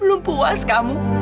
belum puas kamu